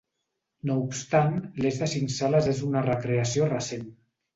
No obstant, l'eix de cinc sales és una recreació recent.